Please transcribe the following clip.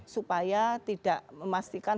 supaya tidak memastikan